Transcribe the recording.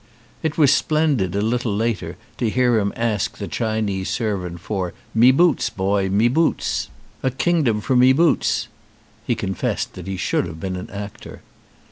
It was splendid a little later to hear him ask the Chinese servant for "me boots, boy, me boots. A 186 F AIL TT BE kingdom for me boots." He confessed that he should have been an actor.